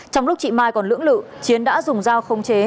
trong lúc chị mai còn lưỡng lự chiến đã dùng dao không chế